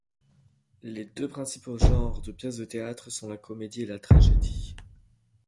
Les deux principaux genres de pièces de théâtre sont la comédie et la tragédie.